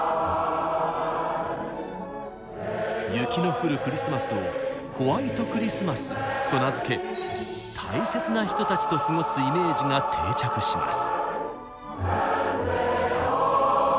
雪の降るクリスマスを「ホワイトクリスマス」と名付け大切な人たちと過ごすイメージが定着します。